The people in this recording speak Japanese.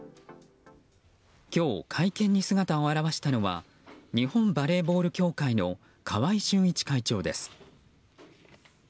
今日、会見に姿を現したのは日本バレーボール協会の川合俊一会長です。